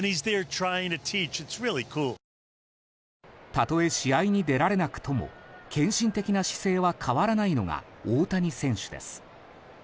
例え、試合に出られなくとも献身的な姿勢は変わらないのが大谷選手です。